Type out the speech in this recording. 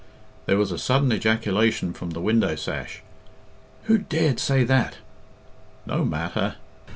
There was a sudden ejaculation from the window sash. "Who dared to say that?" "No matter."